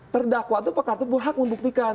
terdakwa itu pekartip berhak membuktikan